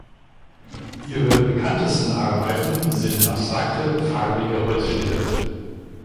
Ihre bekanntesten Arbeiten sind abstrakte, farbige Holzschnitte.